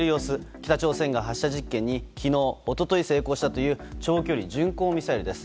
北朝鮮が発射実験に昨日と一昨日、成功したという長距離巡航ミサイルです。